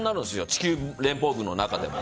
地球連邦軍の中でも。